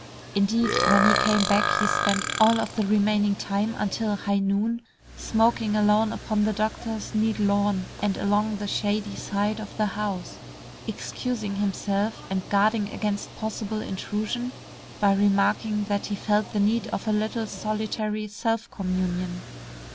Indeed, when he came back he spent all of the remaining time until high noon, smoking alone upon the doctor's neat lawn and along the shady side of the house, excusing himself and guarding against possible intrusion, by remarking that he felt the need of a little solitary self communion.